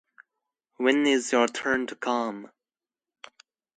When is your turn to come?